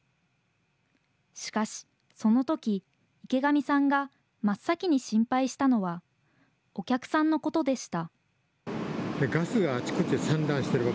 しかし、そのとき、池上さんが真っ先に心配したのは、お客さんのことでした。